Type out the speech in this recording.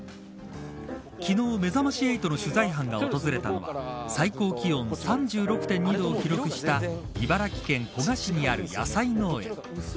昨日、めざまし８の取材班が訪れたのは最高気温３６．２度を記録した茨城県古河市にある野菜農園。